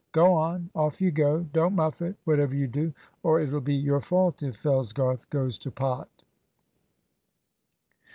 Go on; off you go. Don't muff it, whatever you do, or it'll be your fault if Fellsgarth goes to pot."